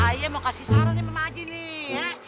ayah mau kasih saran emak haji nih